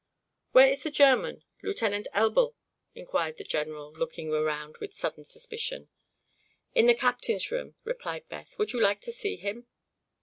"Where is the German, Lieutenant Elbl?" inquired the general, looking around with sudden suspicion. "In the captain's room," replied Beth. "Would you like to see him?"